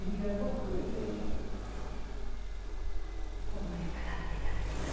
思いを語っていただきました。